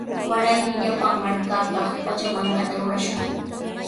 Waraymi llapan markapaq pachamankata rurashun.